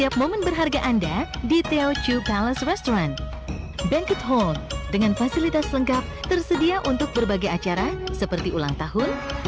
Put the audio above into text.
apakah dipandangkan kepada situation seperti itu